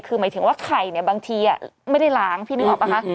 คือหมายถึงว่าไข่เนี่ยบางทีไม่ได้ล้างพี่นึกออกป่ะคะ